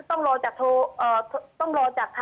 ก็เขาบอกต้องรอจากท้าย